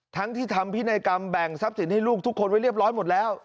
ทั้งที่ทำพินัยกรรมแบ่งทรัพย์สินให้ลูกทุกคนไว้เรียบร้อยหมดแล้ว